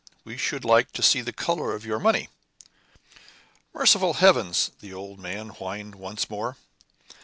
We should like to see the color of your money." "Merciful heavens!" the old man whined once more.